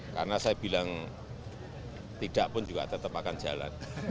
karena saya bilang tidak pun juga tetap akan jalan